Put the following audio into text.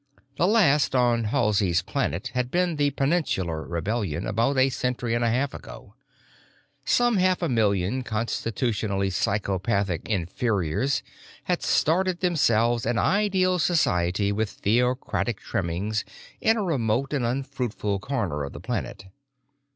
The last on Halsey's planet had been the Peninsular Rebellion about a century and a half ago. Some half a million constitutional psychopathic inferiors had started themselves an ideal society with theocratic trimmings in a remote and unfruitful corner of the planet.